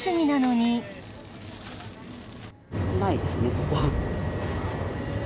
ないですね、ここ。